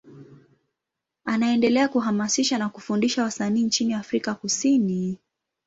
Anaendelea kuhamasisha na kufundisha wasanii nchini Afrika Kusini.